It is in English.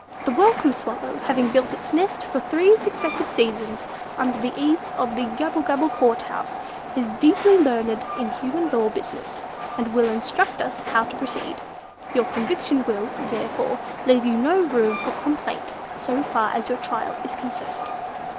The Welcome Swallow, having built its nest for three successive seasons under the eaves of the Gabblegabble Court House, is deeply learned in human law business, and will instruct us how to proceed. Your conviction will, therefore, leave you no room for complaint so far as your trial is concerned."